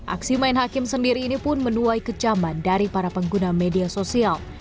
aksi main hakim sendiri ini pun menuai kecaman dari para pengguna media sosial